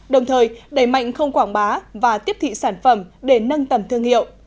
đồng thời đẩy mạnh không quảng bá và tiếp thị sản phẩm để nâng tầm thương hiệu